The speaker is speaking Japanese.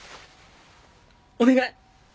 お願い！